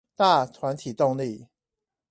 大團體動力